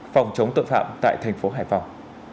phòng chống tội phạm tại thành phố hải phòng